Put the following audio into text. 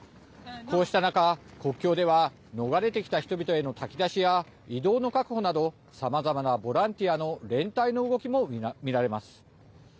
こうした中、国境では逃れてきた人々への炊き出しや、移動の確保などさまざまなボランティアの連帯の動きも見られます。